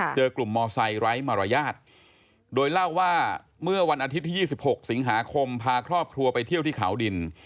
เจอกลุ่มมอไซค์ไร้มารยาทโดยเล่าว่าเมื่อวันอาทิตย์ที่๒๖สิงหาคมพาครอบครัวไปเที่ยวที่เขาดิน